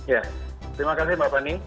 ya terima kasih bapak ni